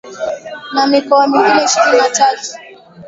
na mikoa mingine ishirini na tatu